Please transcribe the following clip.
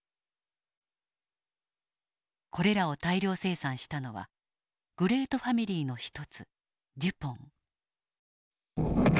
これらを大量生産したのはグレートファミリーの一つデュポン。